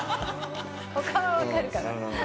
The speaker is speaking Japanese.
他は分かるから？